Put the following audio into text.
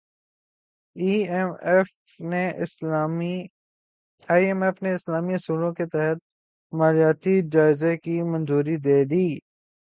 I M F نے اسلامی اصولوں کے تحت مالیاتی جائزے کی منظوری دے دی